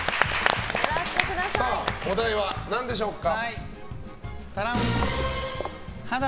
お題は、何でしょうか？